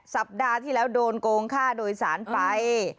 สัปดาห์ที่แล้วโดนโกงค่าโดยสารไป